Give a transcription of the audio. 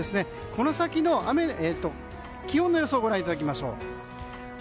この先の気温の予想をご覧いただきましょう。